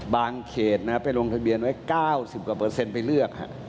เขตไปลงทะเบียนไว้๙๐กว่าเปอร์เซ็นต์ไปเลือก